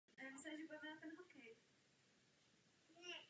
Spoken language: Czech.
Hlavní roli zde hraje čas.